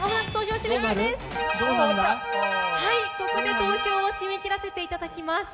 投票を締め切らせていただきます。